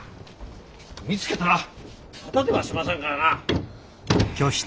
見つけたらただでは済まさんからな！